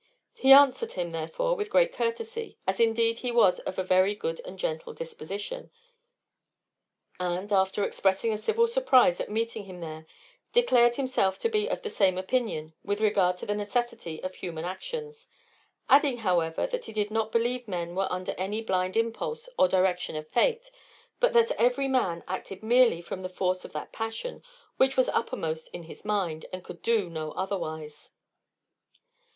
He answered him, therefore, with great courtesy, as indeed he was of a very good and gentle disposition, and, after expressing a civil surprize at meeting him there, declared himself to be of the same opinion with regard to the necessity of human actions; adding, however, that he did not believe men were under any blind impulse or direction of fate, but that every man acted merely from the force of that passion which was uppermost in his mind, and could do no otherwise.